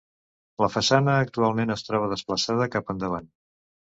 La façana actualment es troba desplaçada cap endavant.